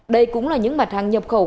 đây cũng là những mặt hàng nhập khẩu